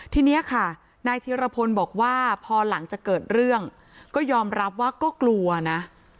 ทีนี้ค่ะนายธีรพลบอกว่าพอหลังจากเกิดเรื่องก็ยอมรับว่าก็กลัวนะ